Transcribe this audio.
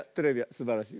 すばらしい。